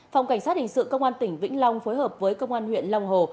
phòng cảnh sát hình sự công an tỉnh vĩnh long phối hợp với công an huyện long hồ